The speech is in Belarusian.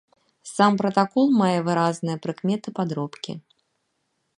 Сам пратакол мае выразныя прыкметы падробкі.